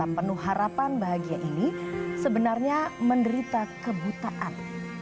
dan penuh harapan bahagia ini sebenarnya menderita kebutaan